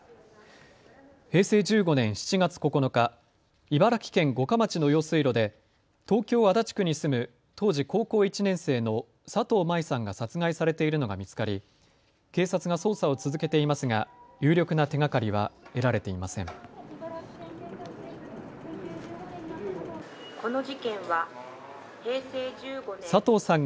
平成１５年７月９日、茨城県五霞町の用水路で東京足立区に住む当時、高校１年生の佐藤麻衣さんが殺害されているのが見つかり警察が捜査を続けていますが有力な手がかりは得られていません。